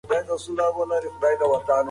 دا کوټه له نورو خونو ډېره یخه ده.